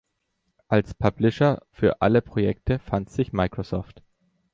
Als Publisher für alle Projekte fand sich Microsoft.